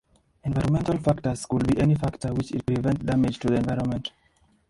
Environmental factors could be any factors which prevent damage to the environment.